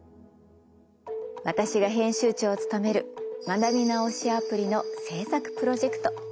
私が編集長を務める学び直しアプリの制作プロジェクト。